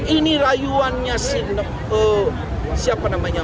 ini rayuannya siapa namanya